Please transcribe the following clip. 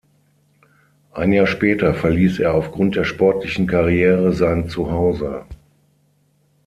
Ein Jahr später verließ er aufgrund der sportlichen Karriere sein Zuhause.